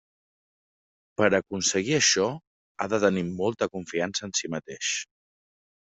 Per aconseguir això, ha de tenir molta confiança en si mateix.